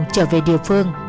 trở về địa phương